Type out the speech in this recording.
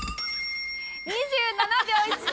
２７秒１９！